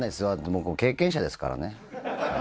だってもう、経験者ですからね。